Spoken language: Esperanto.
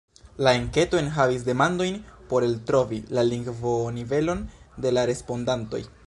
La enketo enhavis demandojn por eltrovi la lingvonivelon de la respondantoj.